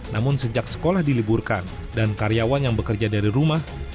namun sejak sekolah diliburkan dan karyawan yang bekerja dari rumah